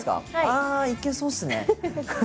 ああいけそうですね。